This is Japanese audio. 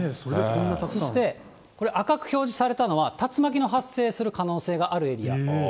そして、赤く表示されたのが、竜巻の発生する可能性があるエリア。